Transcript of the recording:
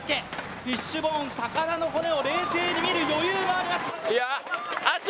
フィッシュボーン、魚の骨を冷静に見る余裕があります。